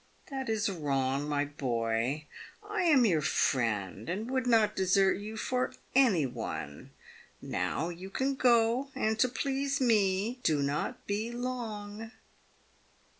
That is wrong, my boy. I am your friend, and would not desert you for any one. Now you can go, and, to please me, do not be long."